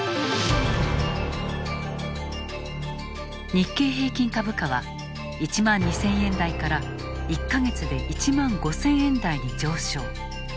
日経平均株価は１万２０００円台から１か月で１万５０００円台に上昇。